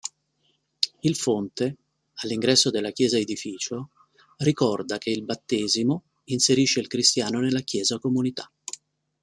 Il fonte, all'ingresso della chiesa-edificio, ricorda che il battesimo inserisce il cristiano nella Chiesa-Comunità.